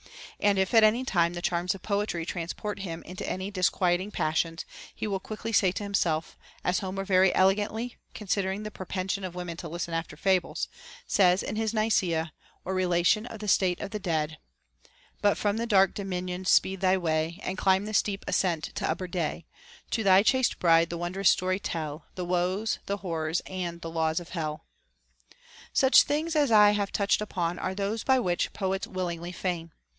And if at any time the charms of poetry transport him into any disquieting pas sions, he will quickly say to himself, as Homer very ele gantly (considering the propension of women to listen after fables) says in his Necyia, or relation of the state of the dead, — But from the dark dominions speed thy way, And climb the steep ascent to upper day ; To thy chaste bride the wondrous story tell, The woes, the horrors, and the laws of hell.{ Such things as I have touched upon are those which the poets willingly feign.